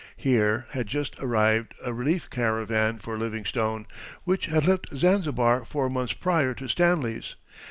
Here had just arrived a relief caravan for Livingstone, which had left Zanzibar four months prior to Stanley's.